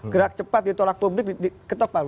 gerak cepat ditolak publik ketopang